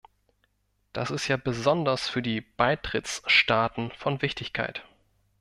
Das ist ja besonders für die Beitrittsstaaten von Wichtigkeit.